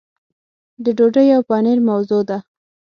د ډوډۍ او پنیر موضوع ده.